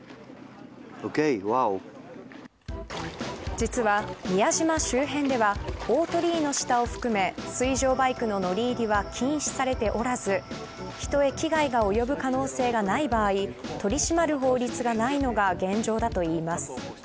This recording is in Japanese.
実は、宮島周辺では大鳥居の下を含め水上バイクの乗り入れは禁止されておらず人へ危害が及ぶ可能性がない場合取り締まる法律がないのが現状だといいます。